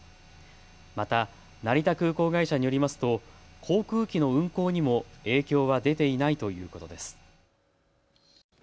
また成田空港会社によりますと航空機の運航にも影響は出ていないということです。